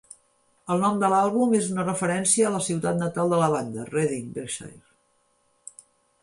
El nom de l'àlbum és una referència a la ciutat natal de la banda, Reading, Berkshire.